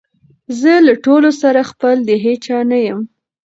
زه له ټولو سره خپل د هیچا نه یم